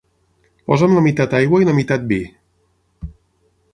Posa'm la meitat aigua i la meitat vi.